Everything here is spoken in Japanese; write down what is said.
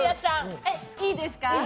いいですか？